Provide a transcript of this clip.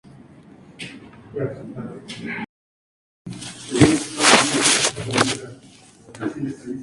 El nombre fue acortado a "Keane" pronto.